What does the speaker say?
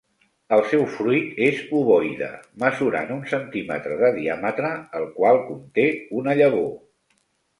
El seu fruit és ovoide, mesurant un centímetre de diàmetre, el qual conté una llavor.